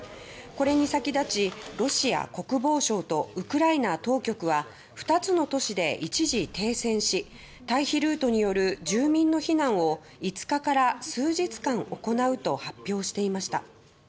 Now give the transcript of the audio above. これに先立ちロシア国防省とウクライナ当局は２つの都市で一時停戦し退避ルートによる住民の避難を５日から数日間行うと発表していました。